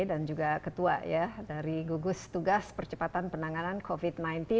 dan juga ketua ya dari gugus tugas percepatan penanganan covid sembilan belas